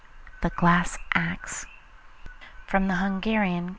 THE GLASS AXE(19) (19) From the Hungarian.